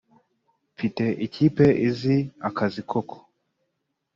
Mfite ikipe izi akazi koko